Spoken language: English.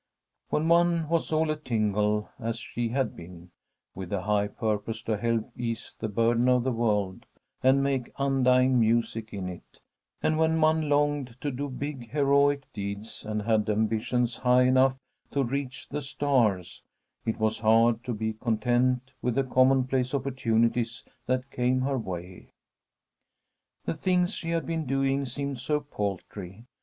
When one was all a tingle, as she had been, with a high purpose to help ease the burden of the world and make undying music in it, and when one longed to do big, heroic deeds and had ambitions high enough to reach the stars, it was hard to be content with the commonplace opportunities that came her way. The things she had been doing seemed so paltry.